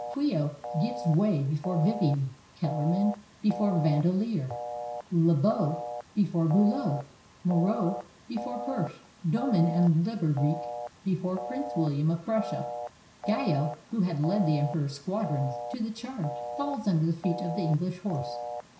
Quiot gives way before Vivian, Kellermann before Vandeleur, Lobau before Biilow, Moraud before Pirch, Doman and Lubervic before Prince William of Prussia. Guyot, who had led the Emperor's squadrons to the charge, falls under the feet of the EngUsh Horse.